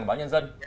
của báo nhân dân